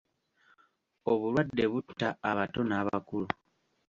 Obulwadde butta abato n'abakulu.